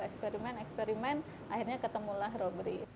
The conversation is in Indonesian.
eksperimen eksperimen akhirnya ketemulah robri